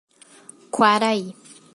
Quaraí